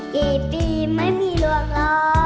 กี่ปีไม่มีลวงล้อ